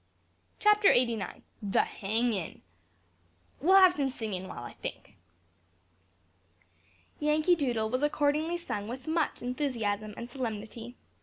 "Chapter eighty nine. The hangin'. We'll have some singin' while I think." "Yankee Doodle" was accordingly sung with much enthusiasm and solemnity.